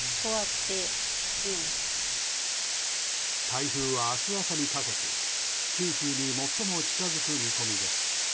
台風は明日朝にかけて九州に最も近づく見込みです。